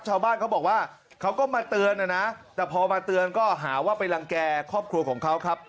ชาวบ้านเขาบอกว่าเขาก็มาเตือนนะนะแต่พอมาเตือนก็หาว่าไปรังแก่ครอบครัวของเขาครับ